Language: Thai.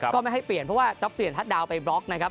ก็ไม่ให้เปลี่ยนเพราะว่าจะเปลี่ยนทัศน์ดาวไปบล็อกนะครับ